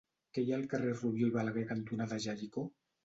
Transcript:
Què hi ha al carrer Rubió i Balaguer cantonada Jericó?